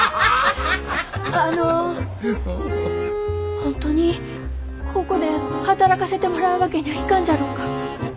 本当にここで働かせてもらうわけにゃあいかんじゃろうか。